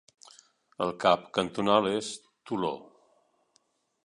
El cap cantonal és Toló.